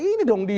ini dong di